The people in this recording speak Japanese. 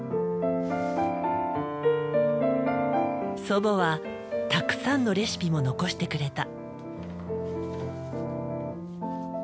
祖母はたくさんのレシピも残してくれた。